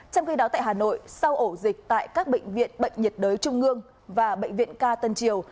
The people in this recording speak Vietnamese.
trong khi đó tại hà nội sau ổ dịch tại các bệnh viện bệnh nhiệt đới trung ương và bệnh viện ca tân triều